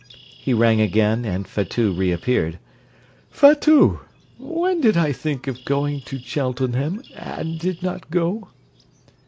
(He rang again, and Fatout reappeared.) Fatout! when did I think of going to Cheltenham, and did not go?